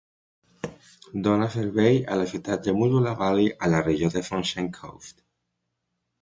Dona servei a la ciutat de Mooloolah Valley a la regió de Sunshine Coast.